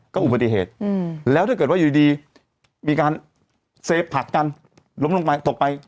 ก็อุบัติเหตุแล้วถ้าเกิดว่าอยู่ดีมีการเซฟผักกันล้มลงไปตกไป